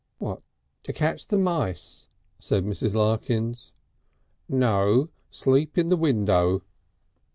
"What, to catch the mice?" said Mrs. Larkins. "No sleep in the window.